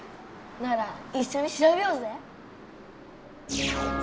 ならいっしょにしらべようぜ！